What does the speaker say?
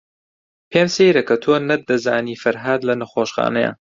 پێم سەیرە کە تۆ نەتدەزانی فەرھاد لە نەخۆشخانەیە.